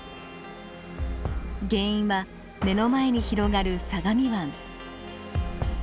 原因は目の前に広がる相模湾。